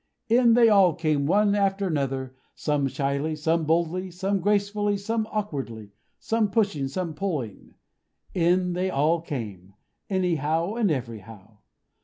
In they all came, one after another; some shyly, some boldly, some gracefully, some awkwardly, some pushing, some pulling; in they all came, anyhow and everyhow.